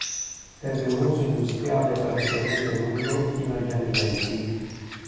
Ebbe un uso industriale praticamente nullo fino agli anni venti.